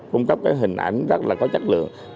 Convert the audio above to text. cung cấp hình ảnh rất là có chất lượng